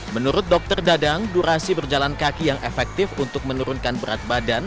menurut dokter dadang durasi berjalan kaki yang efektif untuk menurunkan berat badan